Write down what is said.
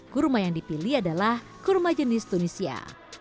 kurma yang dipilih adalah kurma jenis tunisia